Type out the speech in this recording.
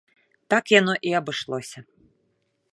Так яно і абышлося.